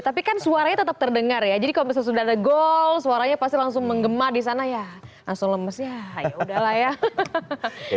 tapi kan suaranya tetap terdengar ya jadi kalau misalnya sudah ada gol suaranya pasti langsung menggema di sana ya langsung lemes ya yaudahlah ya